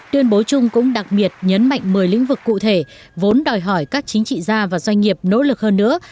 tuyên bố chung cũng đặc biệt nhấn mạnh một mươi lĩnh vực cụ thể vốn đòi hỏi các chính trị gia và doanh nghiệp nỗ lực hơn nữa